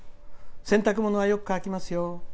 洗濯物はよく乾きますよ」。